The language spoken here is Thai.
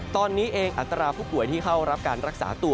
ตอนนี้เองอัตราผู้ป่วยที่เข้ารับการรักษาตัว